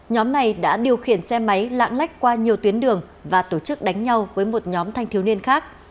nhóm này đã điều khiển xe máy lãng lách qua nhiều tuyến đường và tổ chức đánh nhau với một nhóm thanh thiếu niên khác